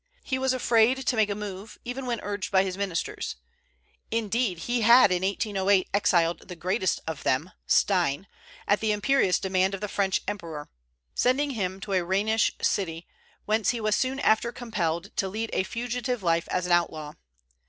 He was afraid to make a move, even when urged by his ministers. Indeed, he had in 1808 exiled the greatest of them, Stein, at the imperious demand of the French emperor, sending him to a Rhenish city, whence he was soon after compelled to lead a fugitive life as an outlaw.